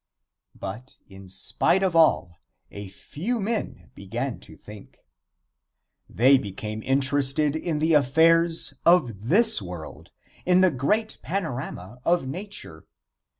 But, in spite of all, a few men began to think. They became interested in the affairs of this world in the great panorama of nature.